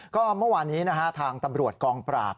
ก็เมื่อวานนี้นะฮะทางตำรวจกองปราบ